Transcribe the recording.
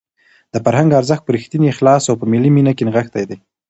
د فرهنګ ارزښت په رښتیني اخلاص او په ملي مینه کې نغښتی دی.